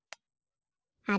あれ？